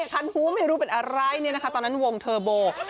ขันหู้ไม่รู้เป็นอะไรเนี่ยตอนนั้นวงเทอโบ